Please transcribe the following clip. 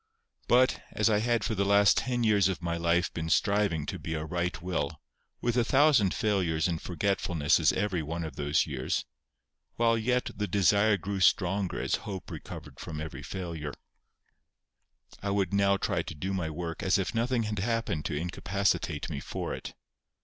But, as I had for the last ten years of my life been striving to be a right will, with a thousand failures and forgetfulnesses every one of those years, while yet the desire grew stronger as hope recovered from every failure, I would now try to do my work as if nothing had happened to incapacitate me for it.